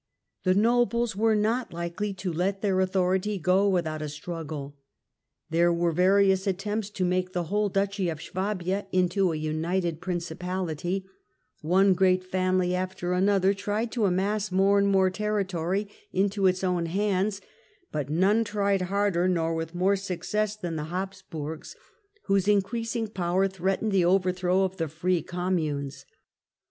The nobles were not likely to let their authority go struggles without a struggle. There were various attempts to uovief *^^ make the whole Duchy of Swabia into a united Princi pality; one great family after another tried to amass more and more territory into its own hands, but none tried harder nor with more success than the Habsburgs, whose increasing power threatened the overthrow of the free Communes.